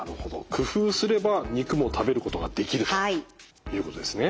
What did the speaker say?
工夫すれば肉も食べることができるということですね。